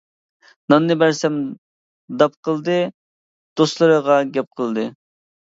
ناننى بەرسەم داپ قىلدى، دوستلىرىغا گەپ قىلدى.